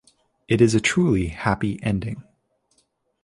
It is a truly happy ending.